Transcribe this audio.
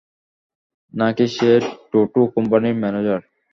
নাকি সে টোটো কোম্পানির ম্যানেজার?